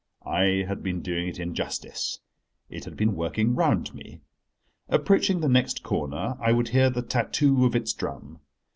I had been doing it injustice: it had been working round me. Approaching the next corner, I would hear the tattoo of its drum.